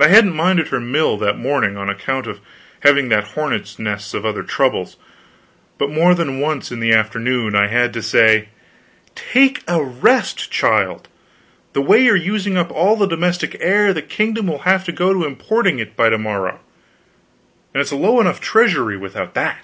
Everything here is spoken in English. I hadn't minded her mill that morning, on account of having that hornets' nest of other troubles; but more than once in the afternoon I had to say: "Take a rest, child; the way you are using up all the domestic air, the kingdom will have to go to importing it by to morrow, and it's a low enough treasury without that."